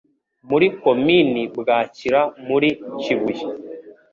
muri Komini Bwakira muri Kibuye